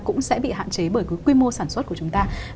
cũng sẽ bị hạn chế bởi quy mô sản xuất của chúng ta